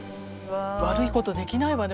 悪いことできないわね